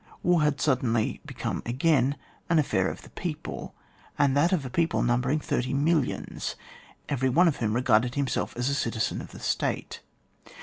War had suddenly become again an affair of the people, and that of a people niunbering thirty millions, every one of whom re garded himself as a citizen of the State.